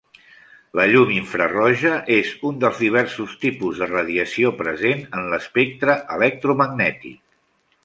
La llum infraroja és un dels diversos tipus de radiació present en l'espectre electromagnètic.